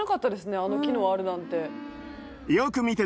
あの機能あるなんて。